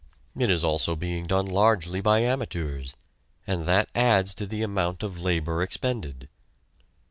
It is also being done largely by amateurs, and that adds to the amount of labor expended.